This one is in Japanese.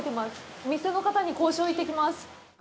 お店の方に交渉行ってきます。